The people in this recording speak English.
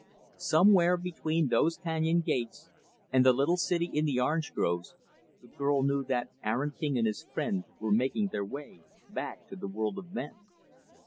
Somewhere between those canyon gates and the little city in the orange groves, the girl knew that Aaron King and his friend were making their way back to the world of men.